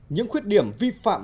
những khuyết điểm vi phạm